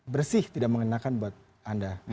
bersih tidak mengenakan buat anda